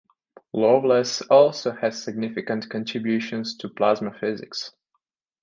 Lovelace also has significant contributions to plasma physics.